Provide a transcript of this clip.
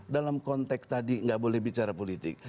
dalam konteks tadi nggak boleh bicara politik